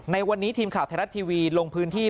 ในวันนี้ทีมข่าวไทยรัฐทีวีลงพื้นที่